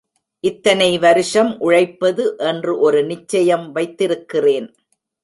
இத்தனை வருஷம் உழைப்பது என்று ஒரு நிச்சயம் வைத்திருக்கிறேன்.